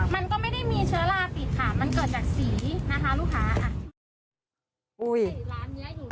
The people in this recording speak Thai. มันก็ไม่ได้มีเชื้อราติดค่ะมันเกิดจากสีนะคะลูกค้า